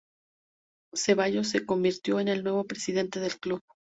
Cevallos se convirtió en el nuevo presidente del club.